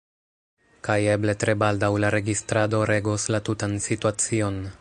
Kaj eble tre baldaŭ la registrado regos la tutan situacion